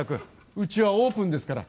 うちはオープンですから。